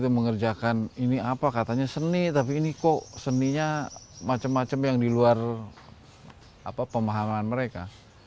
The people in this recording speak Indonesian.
mengerjakan ini apa katanya seni tapi ini kok seninya macam macam yang di luar pemahaman mereka